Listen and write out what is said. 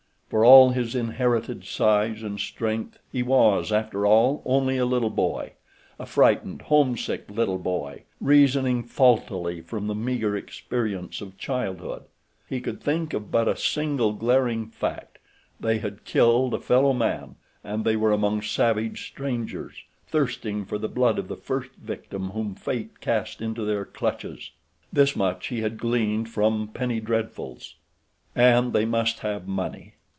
For all his inherited size and strength he was, after all, only a little boy—a frightened, homesick little boy—reasoning faultily from the meager experience of childhood. He could think of but a single glaring fact—they had killed a fellow man, and they were among savage strangers, thirsting for the blood of the first victim whom fate cast into their clutches. This much he had gleaned from penny dreadfuls. And they must have money!